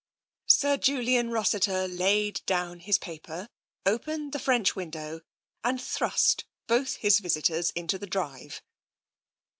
Sir Julian Rossiter laid down his paper, opened the French window, and thrust both his visitors into the drive.